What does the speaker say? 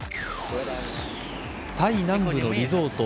タイ南部のリゾート